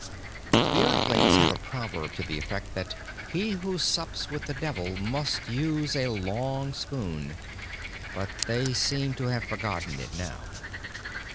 The Earthlings have a proverb to the effect that he who sups with the Devil must use a long spoon. But they seemed to have forgotten it now.